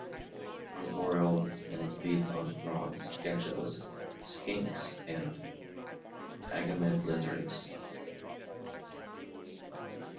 Arboreal and feeds on frogs, geckos, skinks and agamid lizards.